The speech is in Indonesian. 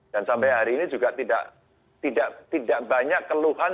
dan sampai hari ini juga tidak banyak keluhan